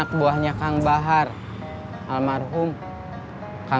akhirnya ini kayaknya belum terbangkai kan